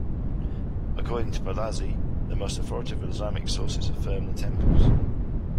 According to Palazzi, "The most authoritative Islamic sources affirm the Temples,".